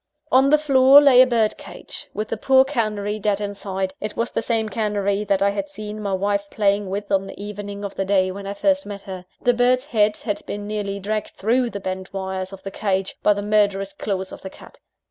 On the floor lay a bird cage, with the poor canary dead inside (it was the same canary that I had seen my wife playing with, on the evening of the day when I first met her). The bird's head had been nearly dragged through the bent wires of the cage, by the murderous claws of the cat.